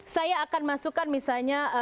saya akan masukkan misalnya